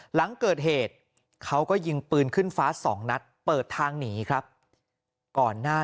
หลังเกิดเหตุเขาก็ยิงปืนขึ้นฟ้าสองนัดเปิดทางหนีครับก่อนหน้า